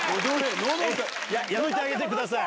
やめてあげてください。